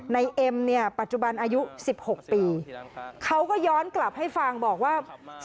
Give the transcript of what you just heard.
เอ็มเนี่ยปัจจุบันอายุ๑๖ปีเขาก็ย้อนกลับให้ฟังบอกว่า